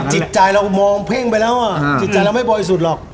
จิตใจเรามองเพ่งไปแล้วอ่ะจิตใจเราไม่บ่อยสุดหรอก